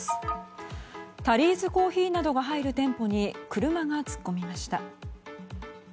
タリーズコーヒーなどが入る店舗に車が突っ込みました。